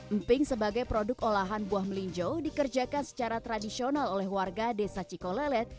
emping sebagai produk olahan buah melinjo dikerjakan secara tradisional oleh warga desa cikolelet